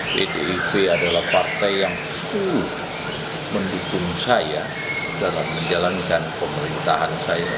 pdip adalah partai yang sungguh mendukung saya dalam menjalankan pemerintahan saya